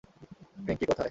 পিঙ্কি, কোথায়?